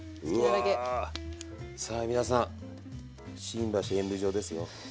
うわさあ皆さん新橋演舞場ですよ。